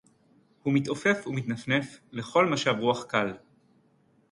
הוּא מִתְעוֹפֵף ומתנפנף לְכָל מַשָּׁב רוּחַ קַל.